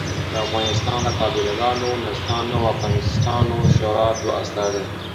د افغانستان د قابلګانو ، نرسانو او فارمیسټانو شورا دوه استازي